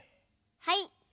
はい。